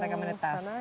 sampai mereka menetas